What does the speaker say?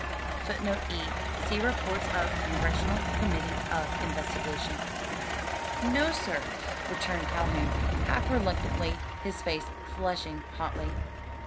[Footnote E: See Reports of Congressional Committee of Investigation.] "No, sir," returned Calhoun half reluctantly, his face flushing hotly.